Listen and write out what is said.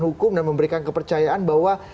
hukum dan memberikan kepercayaan bahwa